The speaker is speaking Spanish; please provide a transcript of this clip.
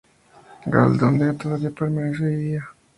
Gall, donde todavía permanece hoy día.